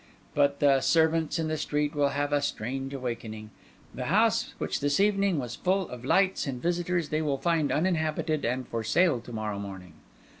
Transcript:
But the servants in the street will have a strange awakening. The house which this evening was full of lights and visitors they will find uninhabited and for sale to morrow morning.